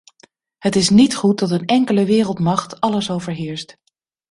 Het is niet goed dat een enkele wereldmacht alles overheerst.